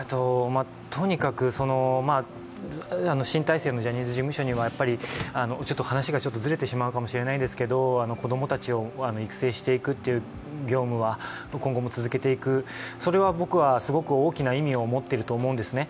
とにかく新体制のジャニーズ事務所には話がちょっとずれてしまうかもしれないんですが、子供たちを育成していくっていう業務は今後も続けていく、それは僕はすごく大きな意味を持ってると思うんですね。